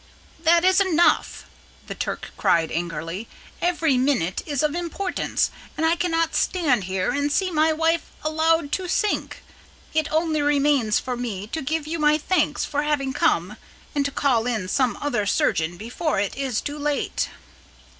"That is enough," the Turk cried, angrily. "Every minute is of importance, and I cannot stand here and see my wife allowed to sink. It only remains for me to give you my thanks for having come, and to call in some other surgeon before it is too late."